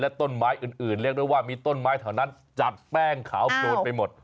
ต้นไม้อื่นเรียกได้ว่ามีต้นไม้แถวนั้นจัดแป้งขาวโปรนไปหมด